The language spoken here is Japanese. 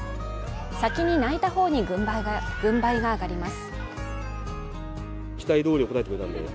先に泣いた方に軍配が上がります。